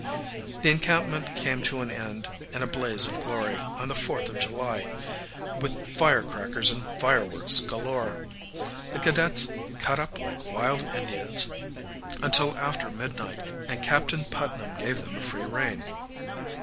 The encampment came to an end in a blaze of glory on the Forth of July, with firecrackers and fireworks galore. The cadets "cut up like wild Indians" until after midnight, and Captain Putnam gave them a free rein.